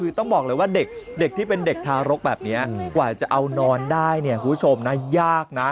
คือต้องบอกเลยว่าเด็กที่เป็นเด็กทารกแบบนี้กว่าจะเอานอนได้เนี่ยคุณผู้ชมนะยากนะ